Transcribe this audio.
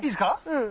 うん。